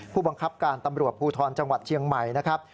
ผู้บังคับการตำรวจภูทรจังหวัดเชียงใหม่นะครับ